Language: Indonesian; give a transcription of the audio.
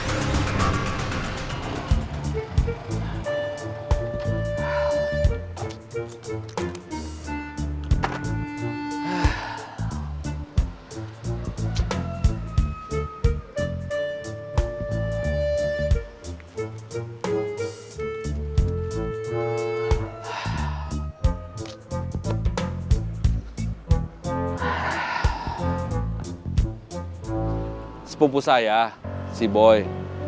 tadinya mau jualan burayot